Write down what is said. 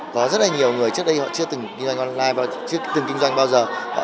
có rất là nhiều người trước đây họ chưa từng kinh doanh online và họ chưa từng kinh doanh bao giờ